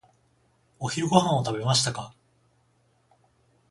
お昼ご飯を食べましたか？